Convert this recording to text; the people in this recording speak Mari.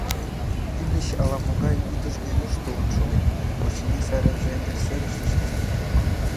Ӱлыч ала-могай вӱдыжгӧ юж толын шоген, — очыни, сарайже эҥер серыште шинчен.